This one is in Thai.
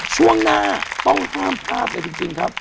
ช่วงหน้าต้องห้ามพลาดเลยจริงครับ